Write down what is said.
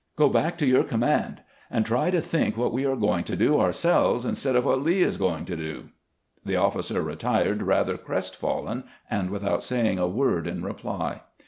Go back to your command, and try to think what we are going to do ourselves, instead of what Lee is going to do." The officer retired rather crestfallen, and without saying a word in reply.